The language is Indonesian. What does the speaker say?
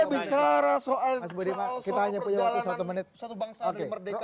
ya bicara soal perjalanan satu bangsa dari merdeka